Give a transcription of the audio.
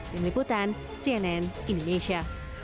di meliputan cnn indonesia